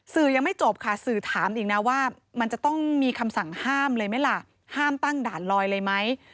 ยังไม่จบค่ะสื่อถามอีกนะว่ามันจะต้องมีคำสั่งห้ามเลยไหมล่ะห้ามตั้งด่านลอยเลยไหม